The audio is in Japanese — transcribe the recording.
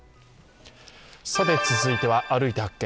続いては「歩いて発見！